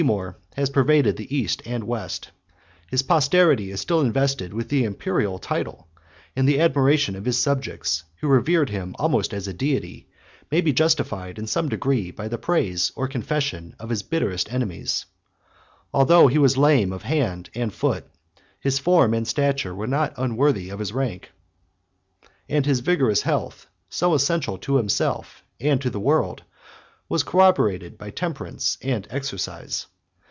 ] The fame of Timour has pervaded the East and West: his posterity is still invested with the Imperial title; and the admiration of his subjects, who revered him almost as a deity, may be justified in some degree by the praise or confession of his bitterest enemies. 66 Although he was lame of a hand and foot, his form and stature were not unworthy of his rank; and his vigorous health, so essential to himself and to the world, was corroborated by temperance and exercise.